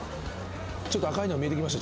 ちょっと赤いの見えてきました。